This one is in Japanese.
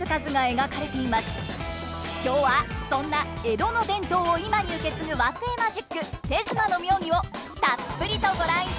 今日はそんな江戸の伝統を今に受け継ぐ和製マジック手妻の妙技をたっぷりとご覧いただきましょう。